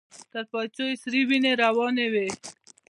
تر پايڅو يې سرې وينې روانې وې.